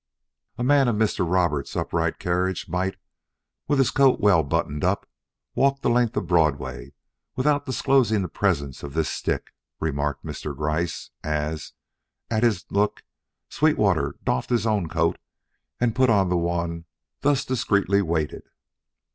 "A man of Mr. Roberts' upright carriage might, with his coat well buttoned up, walk the length of Broadway without disclosing the presence of this stick," remarked Mr. Gryce as, at his look, Sweetwater doffed his own coat and put on the one thus discreetly weighted.